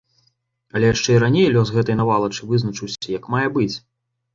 Але яшчэ і раней лёс гэтай навалачы вызначыўся як мае быць.